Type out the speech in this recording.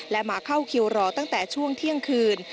และมาเข้าคิวรอตั้งแต่ช่วงเที่ยงคืน